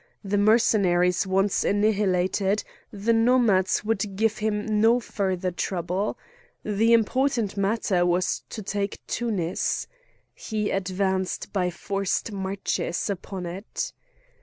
The Mercenaries once annihilated, the Nomads would give him no further trouble. The important matter was to take Tunis. He advanced by forced marches upon it.